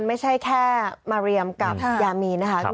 ไม่ใช่แค่มาเรียมกับยามีนนะคะ